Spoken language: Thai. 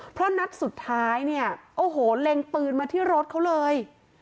เพราะนัดสุดท้ายเนี่ยโอ้โหเล็งปืนมาที่รถเขาเลย